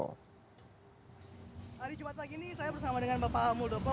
hari jumat pagi ini saya bersama dengan bapak muldoko